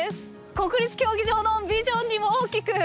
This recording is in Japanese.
国立競技場のビジョンにも大きく！